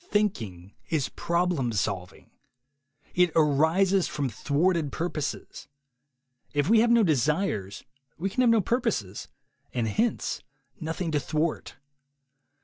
Thinking is problem solving. It arises from thwarted purposes. If we have no desires, we can have no purposes, and hence noth ing to thwart.